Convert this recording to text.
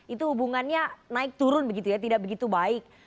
itu hubungannya naik turun begitu ya tidak begitu baik